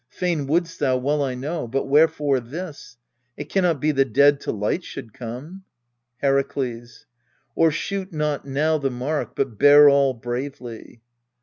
Fain wouldst thou, well I know. But where fore this ? It can not be the dead to light should come. Herakles. O'ershoot not now the mark, but bear all bravely.